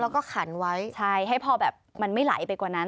แล้วก็ขันไว้ใช่ให้พอแบบมันไม่ไหลไปกว่านั้น